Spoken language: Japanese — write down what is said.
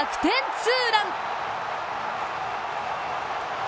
ツーラン。